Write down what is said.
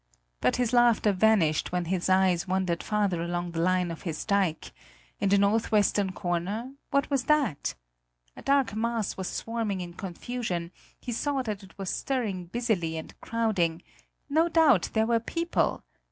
But his laughter vanished when his eyes wandered farther along the line of his dike: in the northwestern corner what was that? A dark mass was swarming in confusion; he saw that it was stirring busily and crowding no doubt, there were people!